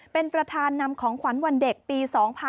เป็นประธานนำของขวัญวันเด็กปี๒๕๖๒